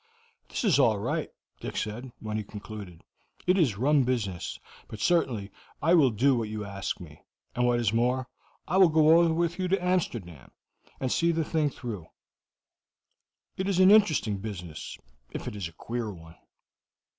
"That is all right," Dick said, when he concluded. "It is a rum business, but certainly I will do what you ask me; and, what is more, I will go over with you to Amsterdam, and see the thing through. It is an interesting business, if it is a queer one."